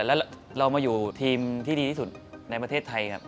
แล้วเรามาอยู่ทีมที่ดีที่สุดในประเทศไทยครับ